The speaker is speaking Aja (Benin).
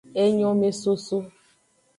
Enyomesoso.